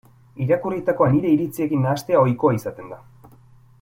Irakurritakoa nire iritziekin nahastea ohikoa izaten da.